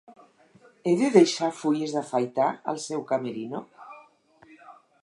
He de deixar fulles d'afaitar al seu camerino?